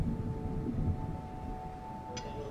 Mahatsaren orpotik dator mama gozoa.